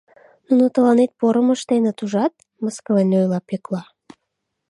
— Нуно тыланет порым ыштеныт, ужат, — мыскылен ойла Пӧкла.